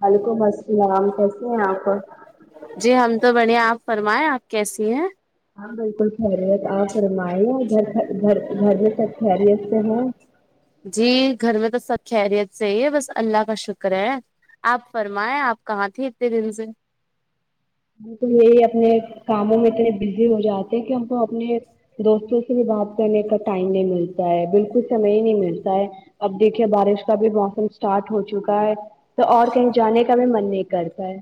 وعلیکم السلام کیسے ہے آپ جی ہم تو بڑھیا آپ فرمائیں آپ کیسی ہیں ہاں بالکل خیریت آپ فرمائے گھر گھر گھر میں سب خیریت سے ہیں جی گھر میں تو سب خیریت سےحی ہے بس اللہ کا شکر ہے آپ فرمائے آپ کہاں تھی اتنے دن سے ہم تو یہی اپنے کاموں میں اتنے بزی ہو جاتے ہیں کہ ہم کو اپنے دوستوں سے بھی بات کرنے کا ٹائم نہیں ملتا ہے بالکل سمئے ہی نہیں ملتا ہے اب دیکھیے بارش کا بھی موسم سٹارٹ ہو چکا ہے تو اور کہیں جانے کا بھی من نہیں کرتا ہے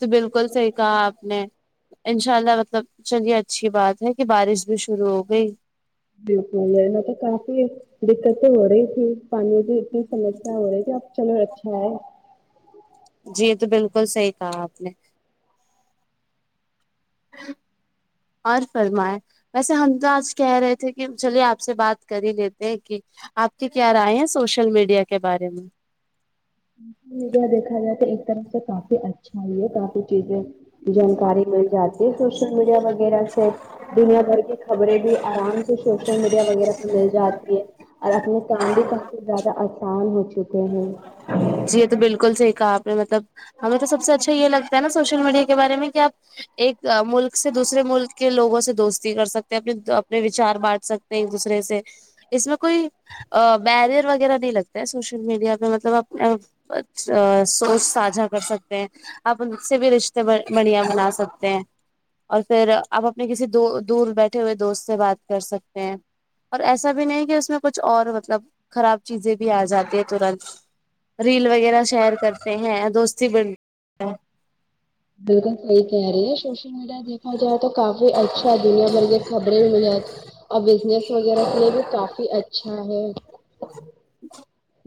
تو بالکل صحیح کہا آپ نے انشاء اللہ مطلب چلیے اچھی بات ہے کہ بارش بھی شروع ہو گئی بالکل میں تو کافی دقتیں ہو رہی تھی پانی کی اتنی سمسیا ہو رہی تھی اب چلو اچھا ہے جی تو بالکل صحیح کہا آپ نے اور فرمائے ویسے ہم تو آج کہہ رہے تھے کہ چلیے آپ سے بات کر ہی لیتے ہیں کہ آپ کی کیا رائے ہیں سوشل میڈیا کے بارے میں میڈیا دیکھا جائے تو ایک طرف سے کافی اچھا چھا کافی چیزیں جانکاری مل جاتی ہے سوشل میڈیا وغیرہ سے دنیا بھر کے خبریں بھی آرام سے سوشل میڈیا وغیرہ پہ مل جاتی ہے اور اپنے کام بھی کافی زیادہ آسان ہو چکے ہیں جی یہ تو بالکل صحیح کہا آپ نے مطلب ہمیں تو سب سے اچھا یہ لگتا ہے نہ سوشل میڈیا کے بارے میں کہ آپ ایک ملک سے دوسرے ملک کے لوگوں سے دوستی کر سکتے ہیں اپنے اپنے وچار بانٹ سکتے دوسرے سے اس میں کوئی بیریئر وغیرہ نہیں لگتا ہے سوش شل میڈیا پہ مطلب اپنا سوچ ساجھا کر سکتے ہیں آپ ان سے بھی رشتے بڑھ بڑھیا بنا سکتے ہیں اور پھر آپ اپنے کسی دو دور بیٹھے ہوئے دوست سے بات کر سکتے ہیں اور ایسا بھی نہیں کہ اس میں کچھ اور مطلب خراب چیزیں بھی آ جاتی ہے تورنت ریل وغیرہ شیئر کرتے ہیں دوستی بن بالکل صحیح کہہ رہی ہے سوشل میڈیا دیکھا جائے تو کافی اچھا س دنیا بھر کے خبریں بھی مل جات اور بزنس وغیرہ کے لیے بھی کافی اچھا ہے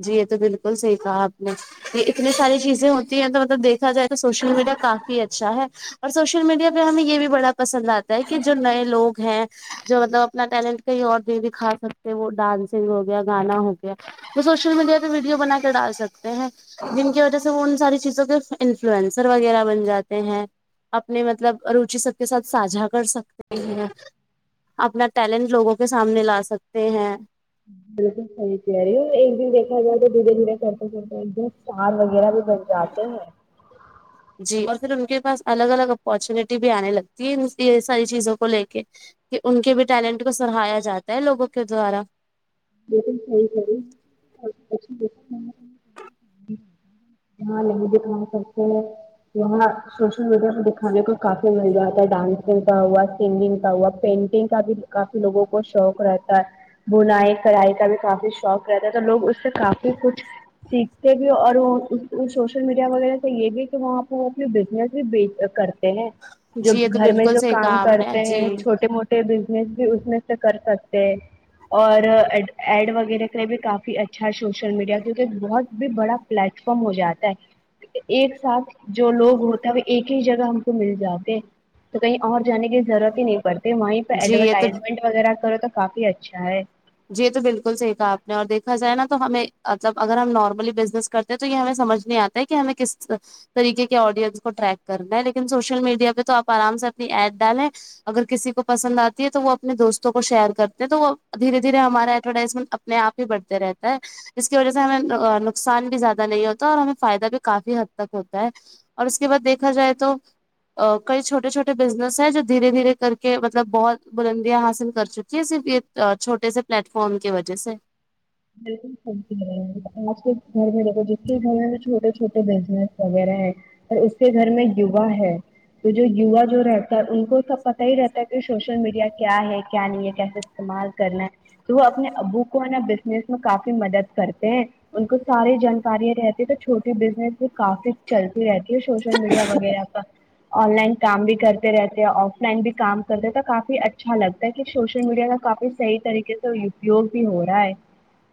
جی یہ تو بالکل صحیح کہا آپ نے یہ اتنی ساری چیزیں ہوتی ہیں تو مطلب دیکھا جائے تو سوشل میڈیا کافی اچھا ہے اور سوشل میڈیا پہ ہمیں یہ بھی بڑا پسند آتا ہے کہ جو نئے لوگ ہیں جو مطلب اپنا ٹیلنٹ کہیں اور نہیں دکھا سکتے وہ ڈانسنگ ہو گیا گانا ہو گیا وہ سوشل میڈیا پہ ویڈیو بنا کے ڈال سکتے ہیں جن کی وجہ سے وہ ان ساری چیزوں کے انفلوئنسر وغیرہ بن جاتے ہیں اپنے مطلب روچی سب کے ساتھ ساھا کر سکتے ہیں اپنا ٹیلنٹ لوگوں کے سامنے لا سکتے ہیں بالکل صحیح کہے رہی ایک دن دیکھا جائے تو دھیرے دھیرے کرتے کرتے ادھر اسٹار وغیرہ بھی بن جاتے ہیں جی اور پھر ان کے پاس الگ الگ اپورچونیٹی بھی آنے لگتی ہے یہ ساری چیزوں کو لے کے کہ ان کے بھی ٹیلنٹ کو سرایا جاتا ہے لوگوں کے دوارا صحیح کر یہاں ل د کام س سے یہاں سوشل میڈیا پہ دکھانے کو کافی مل جاتا ہے ڈانسنگ کا ہوا سنگنگ کا ہوا پینٹنگ کا بھی کافی لوگوں کو شوق رہتا ہے بنائ کڑائی کا بھی کافی شوق رہتا ہے تو لوگ اس سے کافی کچھ سیکھتے بھی اور وہ سوشل میڈیا وغیرہ تو یہ بھی ہے کہ وہاں پ اپنی بزنس بھی کر ہیں جو جی یہ تو گھر میں بالکل جو صحیح کام کہا آپ نے کرتے جی ہیں چھوٹے موٹے بزنس بھی اس میں سے کر سکتے اور ای ایڈ وغیرہ کرے بھی کافی اچھا ہے سوشل میڈیا کیونکہ بہت بھی بڑا پلیٹ فارم ہو جاتا ہے ایک ساتھ جو لوگ ہو تب ایک ہی جگہ ہم کو مل جاتے تو کہیں اور جانے کی ضرورت ہی نہیں پڑتی وہیں پہ جی یہ تو ایڈورٹائزمنٹ وغیرہ کرو تو کافی اچھا ہے جی تو بالکل صحیح کھا آپ نے اور دیکھا جائے نا تو ہمیں مطلب اگر ہم نارملی بزنس کر تو یہ ہمیں سمجھ نہیں آتا ہے کہ ہمیں کس طریقے کے آڈینس کو ٹریک کرنا ہے لیکن سوشل میڈیا پہ تو آپ آرام سے اپنی ایڈ ڈالیں اگر کسی کو پسند آتی ہے تو وہ اپنے دوستوں کو شیئر کرتے ہیں تو وہ دھیرے دھیرے ہمارا ایڈورٹائزمنٹ اپنےپہ ہی بڑھ رہتا ہے جس کی وجہ سے ہمیں نقصان بھی زیادہ نہیں ہوتا اور ہمیں فائدہ بھی کافی حد تک ہوتا ہے اور اس کے بعد دیکھا جائے تو کئی چھوٹے چھوٹے بزنس ہیں جو دھیرے دھیرے کر کے مطلب بہت بلندیاں حاصل کر چک کیا صرف یہ چھوٹے سے پلیٹ فارم کی وجہ سے بالکل آج کے گھر میں دیکھو جتنے بھی گ چھوٹے چھوٹے بزنس وغیرہ ہے اور اس کے گھر میں یوا ہے تو جو یوا جو رہتا ہے ان کو سب پتا ہی رہتا ہے کہ سوشل میڈیا کیا ہے کیا نہیں ہے کیسے استعمال کرنا ہے تو وہ اپنے ابو کو ہے نا بالکل اس میں کافی مدد کرتے ہیں ان کو ساری جانکارییا رہتی تو چھوٹی ب کافی چلتی رہتی ہے سوشل میڈیا وغیرہ پر آن لائن کام بھی کرتے رہتے ہیں آف لائن بھی کام کرتے تو کافی اچھا لگتا ہے کہ سوشل میڈیا کا کافی صحیح طریقے سے اپیوگ بھی ہو رہا ہے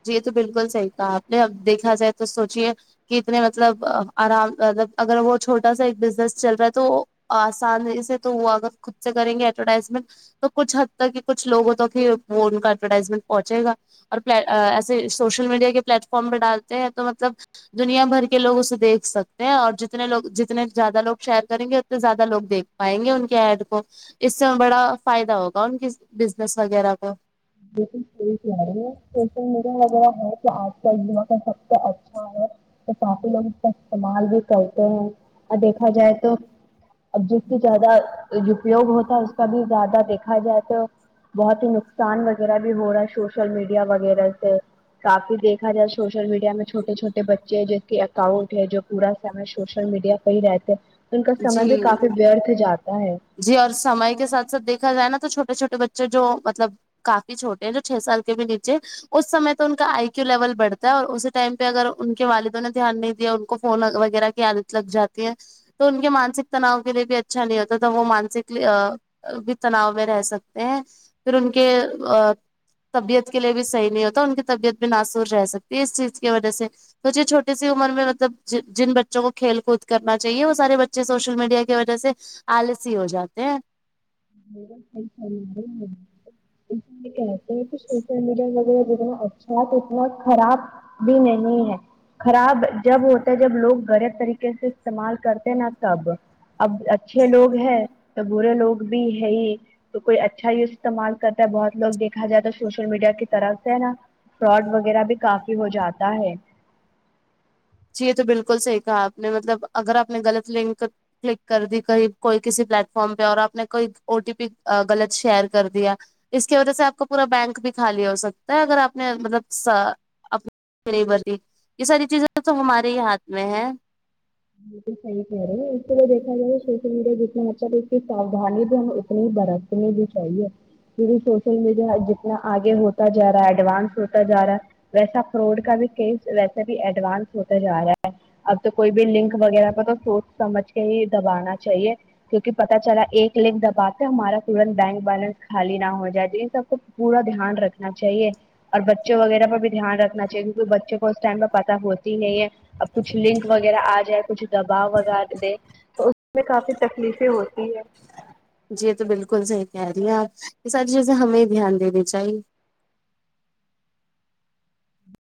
جی تو بالکل صحیح کہا آپ نے اب دیکھا جائے تو سوچیے کہ اتنے مطلب آرام مب اگر وہ چھوٹا سا ایک بزنس چل رہا ہے تو آسانی سے تو وہ اگر خود سے کریں گے ایڈورٹائزمنٹ تو کچھ حد تک کہ کچھ لوگوں تو پھر وہ ان کا ایڈورٹائزمنٹ پہنچے گا اور پ ایسے سوشل میڈیا کے پلیٹ فارم پہ ڈالتے ہیں تو مطلب دنیا بھر کے لوگ اسے دیکھ سکتے ہیں اور جتنے لوگ جتنے زیادہ لوگ شیئر کریں گے اتنے زیادہ لوگ دیکھ پائیں گے ان کے ایڈ کو اس سے بڑا فائدہ ہوگا ان کی بزنس وغیرہ کو لیکنی [unintelligible] سوشل میڈیا وغیرہ ہے کہ آج کل یوا کا سب سے اچھا ہے تو پانپی لوگ اس کا استعمال بھی کرتے ہیں اور دیکھا جائے تو اب جس کی زیادہ یپیوگ ہوتا ہے اس کا بھی زیادہ دیکھا جائے تو بہت ہی نقصان وغیرہ بھی ہو رہا ہے سوشل میڈیا وغیرہ سے کافی دیکھا جا سوشل میڈیا میں چھوٹے چھوٹے بچے ہیں جس کے اکاؤنٹ ہے جو پورا سمے سوشل میڈیا پہ ہی رہتے ان کا سمے بھی جی کافی ورتھ جاتا ہے جی اور سمے کے ساتھ ساتھ دیکھا جائے نا تو چھوٹے چھوٹے بچے جو مطلب کافی چھوٹے ہیں جو چھ سال کے بھی نیچے اس سمے تو ان کا آئی کییو لیول بڑتا ہے اور اسی ٹائم پہ اگر ان کے والدوں نے دھیان نہیں دیا ان کو فون وغیرہ عادت لگ جاتی ہے تو ان کے مانسک تناؤ کے لیے بھی اچھا نہیں ہوتا تھا وہ مانسک بھی تناؤ میں رہ سکتے ہیں پھر ان کے طبیعت کے لیے بھی صحیح نہیں ہوتا ان کی طبیعت بھی ناسور رہ سکتی ہے اس چیز کی وجہ سے سوچئے چھٹی سی عمر میں مطلب جن بچوں کو کھیل کود کرنا چاہیے سارے بچے سوشل میڈیا کی وجہ سے آلسی ہو جاتے ہیں [unintelligible] م کر رہے [unintelligible] اس لیے کہتے ہیں کہ سوشل میڈیا وغیرہ جتنا اچھا ہے اتنا خراب بھی نہیں ہے خراب جب ہوتا ہے جب لوگ غریب طریقے سے استعمال کرتے ہیں نا تب اب اچھے لوگ ہیں تو برے لوگ بھی ہے ہی تو کوئی اچھا یوز استعمال کرتا ہے بہت لوگ دیکھا جائے تو سوشل میڈیا کی طرف سے ہے نا فراڈ وغیرہ بھی کافی ہو جاتا ہے جی یہ تو بالکل صحیح کہا آپ نے مطلب اگر آپ نے غلط لنک کلک کر دی کہیں کوئی کسی پلیٹ فارم پہ اور آپ نے کوئی او ٹی پی غلط شیئر کر دیا اس کی وجہ سے آپ کو پورا بینک بھی خالی ہو سکتا ہے اگر آپ نے مطلب سا اپ نہیں [unintelligible] بھرتی یہ ساری چیزیں تو ہمارے ہی ہاتھ میں ہے بالکل صحیح کہرہی ہے اس ترھا دیکا جائے سوشل میڈیا جتنا بچہ ساودھانی تو ہم اتنی برتنی بھی چاہیے دیدی سوشل میڈیا جتنا آگے ہوتا جا رہا ہے ایڈوانس ہوتا جا رہا ہے ویسا فراڈ کا بھی کیس ویسا بھی ایڈوانس ہوتا جا رہا ہے اب تو کوئی بھی لنک وغیرہ پہ تو سوچ سمجھ کے ہی دبانا چاہیے کیونکہ پتا چلا ایک لنک دباتے ہمارا تورنت بینک بیلنس خالی نہ ہو جائے تو یہ سب کو پورا دھیان رکھنا چاہیے اور بچے وغیرہ پہ بھی دھیان رکھنا چاہیے کیونکہ بچوں کو اس ٹائم پہ پتا ہوتی ہی نہیں ہے کچھ لنک وغیرہ آ جائے کچھ دبا وبا دے تو اس میں کافی تکلیفیں ہوتی ہے جی یہ تو بالکل صحیح کہہ رہی ہیں آپ یہ ساری چیزیں ہمیں ہی دھیان دینی چاہیے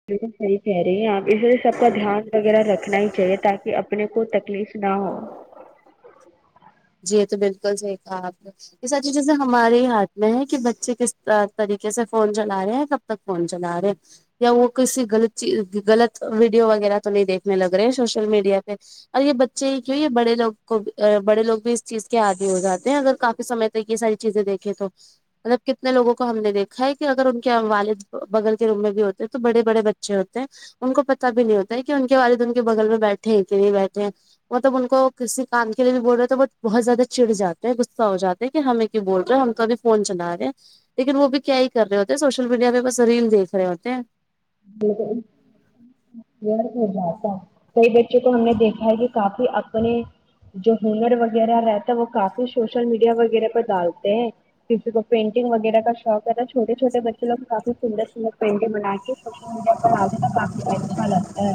بالکل صحیح کہہ رہی ہیں آپ اس لیے سب کا دھیان وغیرہ رکھنا ہی چاہیے تاکہ اپنے کو تکلیف نہ ہو جی یہ تو بالکل صحیح کہا آپ نے یہ ساری چیزیں ہمارے ہی ہاتھ میں ہے کہ بچے کس طریقے سے فون چلا رہے ہیں کب تک فون چلا رہے یا وہ کسی غلط چیز غلط ویڈیو وغیرہ تو نہیں دیکھنے لگ رہے ہیں سوشل میڈیا پہ اور یہ بچے ہی کیوں یہ بڑے لوگ کو بڑے لوگ اس چیز کے آدی ہو جاتے ہیں اگر کافی سمے تک یہ ساری چیزیں دیکھیں تو مطلب کتنے لوگوں کو ہم نے دیکھا ہے کہ اگر ان کے والد بگل کے روم میں بھی ہوتے ہیں تو بڑے بڑے بچے ہوتے ہیں ان کو پتا بھی نہیں ہوتا ہے کہ ان کے والد ان کے بگل میں بیٹھے ہیں کہ نہیں بیٹھے ہیں مطلب ان کو کسی کام کے لیے بھی بول رہے ہیں تو بہت زیادہ چڑ جاتا ہے غصہ ہو جا تے ہمیں کیو بول رہے ہیں ہم تو ابھی فون چلا رہے ہیں لیکن وہ بھی کیا ہی کر رہے ہوتے ہیں سوشل میڈیا پہ بس ریل دیکھ رہے ہوتے ہیں بالکل یہ ہو جاتا کئی بچوں کو ہم نے دیکھا ہے کہ کافی اپنے جو ہنر وغیرہ رہتا ہے وہ کافی سوشل میڈیا وغیرہ پر ڈالتے ہیں کسی کو پینٹنگ وغیرہ کا شوق ہے تو چھوٹے چھوٹے بچے لوگ کافی سندر سندر پینٹنگ بنا کے سوشل میڈیا پر آ نا کافی فائدے لگتا ہے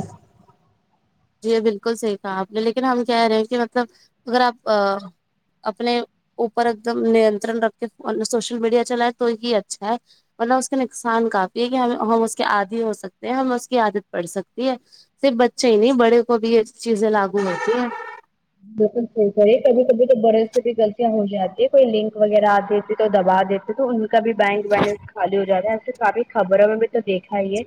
جی یہ بالکل صحیح کہا آپ نے لیکن ہم کہہ رہے ہیں کہ مطلب اگر اپ اپنے اوپر ایک دم ننترن رکھ کے سوشل میڈیا چلائے تو ہی اچھا ہے مطلب اس کے نقصان کافی ہے کہ ہم اس کے عادی ہو سکتے ہیں ہم اس کی عادت پڑ سکتی ہے صرف بچے ہی نہیں بڑے کو بھی یہ چیزیں لاگو ہوتی ہیں بالکل صحیحی کرے کبھی کبھی تو بڑے سے بی غلطیاں ہو جاتی ہے کوئی لنک وغیرہ آ دیتی تو دبا دیتی تو ان کا بھی بینک بیلنس خالی ہو جارا تو خالی خبروں میں تو دیکھا ہی ہے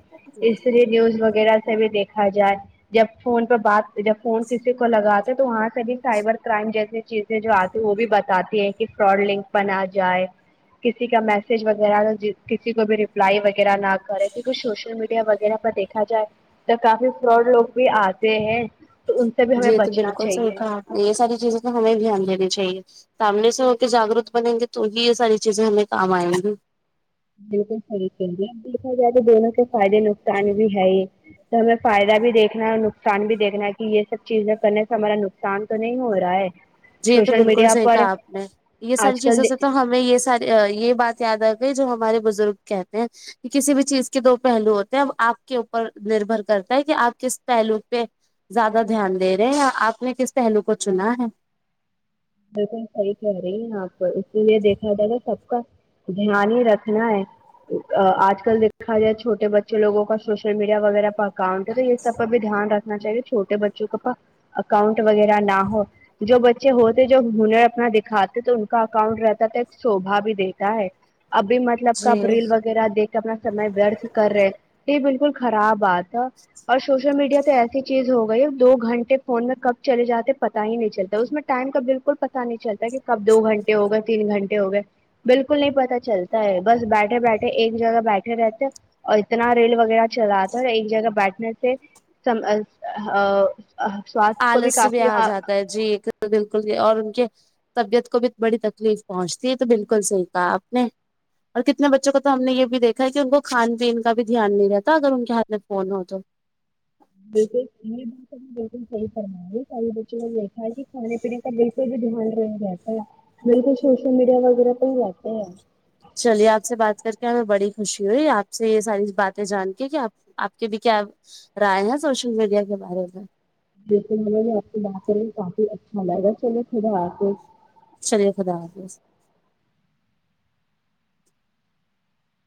اس لیے نیوز وغیرہ سے میں دیکھا جائے جب فون پہ بات جب فون کسی کو لگاتا ہے تو ات سبھی سائبر کرائم جیسی چیزیں جو اتی وہ بھی باتاتی ہیں کہ فراڈ لنک بنا جائے کسی کا میسج وغیرہ کسی کو بھی ریپلائی وغیرہ نہ کرے کیوکہ سوشل میڈیا وغیرہ پر دیکھ دیکا جائے تو کافی فراڈ لوگ بھی اتے ہیں تو ان سے بھی ہمیں جی تو بچنا بالکل صحیح چاہیے کہا آپ یہ ساری چیزیں تو ہمیں دھیان دینی چاہیے سامنے سے ہو کے جاگرور بنیں گے تو ہی یہ ساری چیزیں ہمیں کام ائیں گی بالکل صحیح کہہ رہے دیکھا جائے تو دونوں کے فائدے نقصان بھی ہے یہ تو ہمیں فائدہ بھی دیکھنا ہے اور نقصان بھی دیکھنا ہے کہ یہ سب چیزیں کرنے سے ہمارا نک کم تو نہیں ہو رہا ہے جی یہ تو سوشل بالکل میڈیا سی پر کہا اپ نے یہ ساری آج چیزوں کل سے تو ہم یہ ساری یہ بات یاد اتے جو ہمارے بزرگ کہتے ہیں کسی بھی چیز کے دو پہلو ہوتے ہیں وہ آپ کے اوپر نربھر کرتا ہے کہ آپ کس پہلو پہ زیادہ دھیان دے رہے ہیں آپ نے کس پہلو کو چنا ہے بالکل صحیح کہہ رہی ہے آپ کو اس لیے دیکھا جارا سب کا دھیان ہی رکھنا ہے اج کل دیکھا جائے چھوٹے بچے لگوں کا سوشل میڈیا وغیرہ پر اکاؤنٹس سب پر دھیان رکھ نا چاہیے چھوٹے بچے کو اکاؤنٹ وغیرہ نہ ہو جو بچے ہو جو ہنر اپنا دکھاتے تو ان کا اکاؤنٹ رہتا تھا ایک شوبا بھی دیتا ہے ابھی مت مطلب جی کاب ریل وغیرہ دیکھ اپنا سمے واڑت کر رہے یہ بالکل خراب ات تو وش سوشل میڈیا تو ایسی چیز ہو گئی ہے دو گھنٹے فون میں کب چلے جاتے پتا ہی نہیں چلتا اس میں ٹائم بالکل پتا نہیں چلتا کہ کب دو گھنٹے ہو گئے تین گھنٹے ہو گئے بالکل نہیں پتا چلتا ہے بس بیٹھے بیٹھے ایک جگہ بیٹھے رہتے اور اتنا ریل وغیرہ چلاتا ہے ایک جگہ بیٹھنے سے ہہ سوات کو بھی کافی ہہ نہ جی تو بالکل بھی اور ان کے طبیعت کو بھی بڑی تکلیف پہنچتی ہے تو بالکل صحیح کہا اپ نے اور کتنے بچوں کو تو ہم نے یہ بھی دیکھا ہے کہ ان کو کھان پین کا بھی دھیان نہیں رہتا اگر ان کے ہات میں فون ہو تو بالکل نہیں بالکل صحیح فرمارہی سارا بچوں نے دیکھا ہے کہ کھانے پینے کا بالکل بھی دہان نہیں رہتا بالکل سوشل مڈیا وغیرہ پر جات چلیے آپ سے بات کر کے ہمیں بڑی خوشی ہوئی آپ سے یہ ساری باتیں جان کے کہ آپ آپ کے بھی کیا رائے ہے سوشل میڈیا کے بارے میں بالکل ہمیں بھی آپ سے بات کر کے کافی اچھا لگا چلیے پھر آتے چلیے خدا حافظ